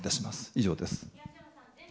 以上です。